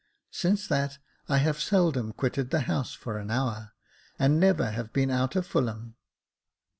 Since that I have seldom quitted the house for an hour, and never have been out of Fuiham."